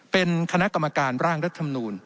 เป็นคณะกรรมการร่างรัฐมนูล